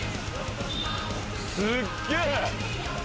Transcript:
・・すっげぇ！